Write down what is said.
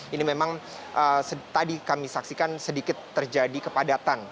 ini memang tadi kami saksikan sedikit terjadi kepadatan